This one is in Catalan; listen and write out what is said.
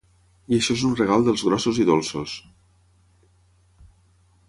I això és un regal dels grossos i dolços.